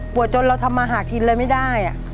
จนเราทำมาหากินเลยไม่ได้